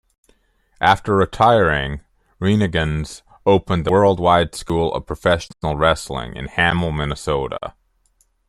After retiring, Rhenigans opened the World Wide School of Professional Wrestling in Hamel, Minnesota.